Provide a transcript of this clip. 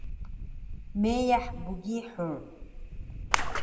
Meyah bgihur